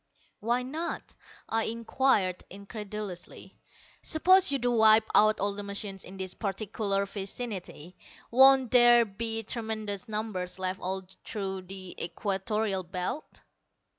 "Why not?" I inquired incredulously. "Suppose you do wipe out all the machines in this particular vicinity, won't there be tremendous numbers left all through the Equatorial Belt?"